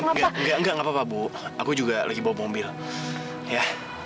enggak enggak apa apa bu aku juga lagi bawa mobil ya